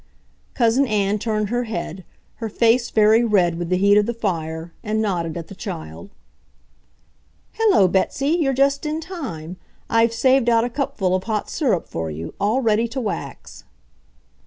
Cousin Ann turned her head, her face very red with the heat of the fire, and nodded at the child. "Hello, Betsy, you're just in time. I've saved out a cupful of hot syrup for you, all ready to wax."